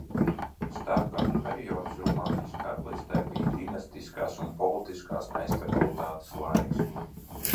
Starpkaru periods Rumānijas Karalistē bija dinastiskās un politiskās nestabilitātes laiks.